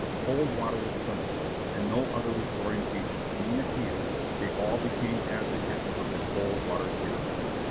Cold water was plentiful, and no other restoring agent being at hand, they all became advocates of the cold water cure.